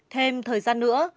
thêm thời gian nữa